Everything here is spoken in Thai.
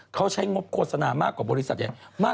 เขาใช้งบโฆษณามากกว่าบริษัทอย่างนั้น